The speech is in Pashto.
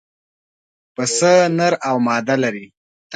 پسه نر او ماده لري.